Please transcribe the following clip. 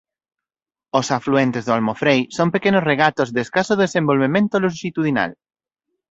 Os afluentes do Almofrei son pequenos regatos de escaso desenvolvemento lonxitudinal.